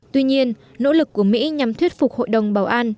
tuy nhiên nỗ lực của mỹ nhằm thuyết phục hội đồng bảo an